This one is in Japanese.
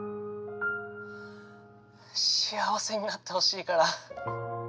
幸せになってほしいから。